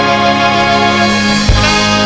ยังมั่นใจรับชาติออกอาจรัง